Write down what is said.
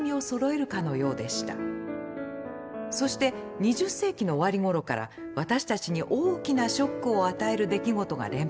そして２０世紀の終わりごろから私たちに大きなショックを与える出来事が連発します。